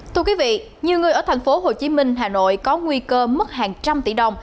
thưa quý vị nhiều người ở thành phố hồ chí minh hà nội có nguy cơ mất hàng trăm tỷ đồng